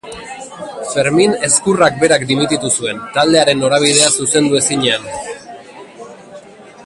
Fermin Ezkurrak berak dimititu zuen, taldearen norabidea zuzendu ezinean.